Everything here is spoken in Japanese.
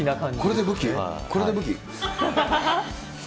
これで武器？